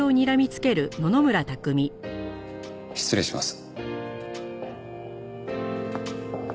失礼します。